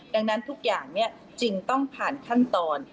ดังนั้นทุกอย่างจึงต้องผ่านขั้นตอน